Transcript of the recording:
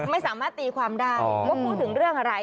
ไม่สามารถตีความได้ว่าพูดถึงเรื่องอะไร